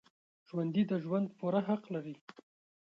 ژوندي د ژوند پوره حق لري